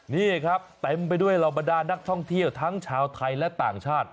นี่ครับเต็มไปด้วยเหล่าบรรดานักท่องเที่ยวทั้งชาวไทยและต่างชาติ